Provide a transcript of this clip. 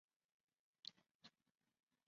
格莱美奖获得者。